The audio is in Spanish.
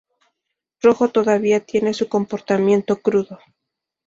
Rojo todavía tiene su comportamiento crudo.